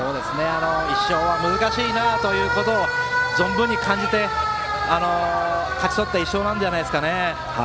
１勝は難しいなということを存分に感じて勝ち取った１勝じゃないですかね。